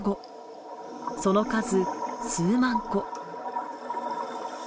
その数数万個。